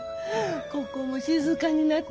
ここも静かになって。